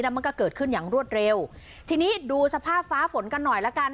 มันก็เกิดขึ้นอย่างรวดเร็วทีนี้ดูสภาพฟ้าฝนกันหน่อยละกัน